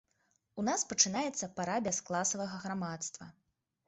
У нас пачынаецца пара бяскласавага грамадства.